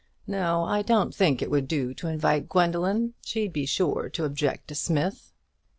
No, I don't think it would do to invite Gwendoline; she'd be sure to object to Smith."